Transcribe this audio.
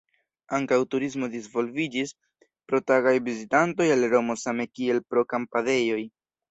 Ankaŭ turismo disvolviĝis, pro tagaj vizitantoj el Romo same kiel pro kampadejoj.